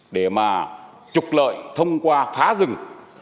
để mà trục lợi thông qua phá rừng